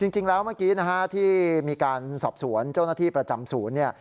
จริงแล้วเมื่อกี้นะฮะที่มีการสอบสวนเจ้าหน้าที่ประจำศูนย์เนี่ย